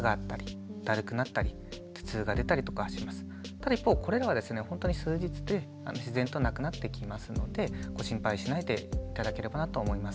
ただ一方これらはですねほんとに数日で自然となくなってきますのでご心配しないで頂ければなと思います。